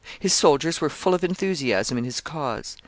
His soldiers were full of enthusiasm in his cause.